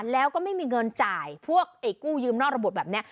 แล้วก็ไม่มีเงินจ่ายพวกกู้ยืมนอกระบบแบบนี้